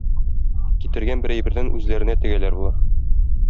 Китергән бер әйбердән үзләренә тегәләр болар.